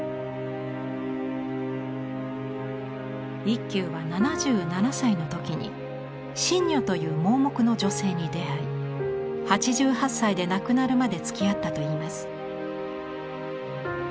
一休は７７歳の時に森女という盲目の女性に出会い８８歳で亡くなるまでつきあったといいます。